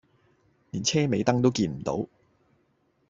連車尾燈都見唔到